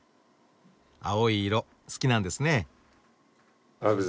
青い色好きなんですね。